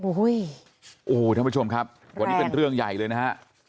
โอ้โหท่านผู้ชมครับวันนี้เป็นเรื่องใหญ่เลยนะฮะ